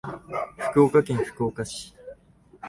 福岡県福岡市